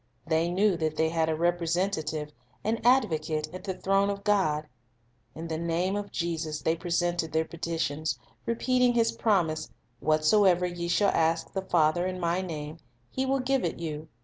They knew that they had a representative, an advocate, at the throne of God. In the name of Jesus they pre sented their petitions, repeating His promise, "What soever ye shall ask the Father in My name, He will give it you."